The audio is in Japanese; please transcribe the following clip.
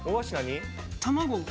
卵！？